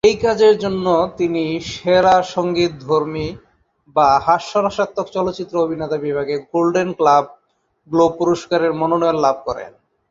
এই কাজের জন্য তিনি সেরা সঙ্গীতধর্মী বা হাস্যরসাত্মক চলচ্চিত্র অভিনেতা বিভাগে গোল্ডেন গ্লোব পুরস্কারের মনোনয়ন লাভ করেন।